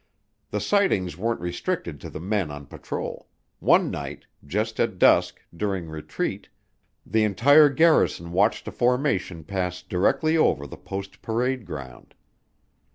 The sightings weren't restricted to the men on patrol. One night, just at dusk, during retreat, the entire garrison watched a formation pass directly over the post parade ground.